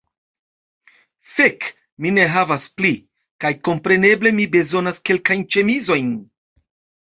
Fek', mi ne havas pli. Kaj kompreneble mi bezonas kelkajn ĉemizojn